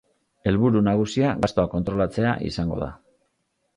Helburu nagusia gastua kontrolatzea izango da.